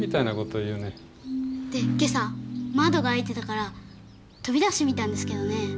で今朝窓が開いてたから飛び出してみたんですけどね。